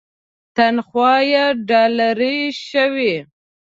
تنخوا یې ډالري شوې.